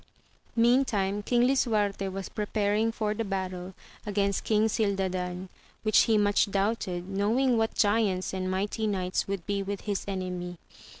Meantime Eong lisuarte was preparing for the battle against King Gildadan, which he much doubted, knowing what giants and mighty knights would be with his enemy.